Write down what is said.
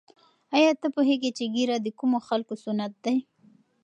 آیا ته پوهېږې چې ږیره د کومو خلکو سنت دی؟